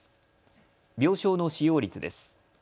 病床の使用率です。